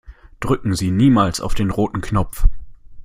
Drücken Sie niemals auf den roten Knopf!